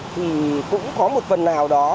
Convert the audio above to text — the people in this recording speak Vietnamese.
thì cũng có một phần nào đó